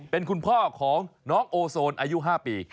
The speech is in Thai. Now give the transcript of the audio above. เป็นคุณพ่อของน้องโอโซนอายุ๕ปี